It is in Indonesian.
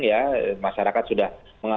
ya masyarakat sudah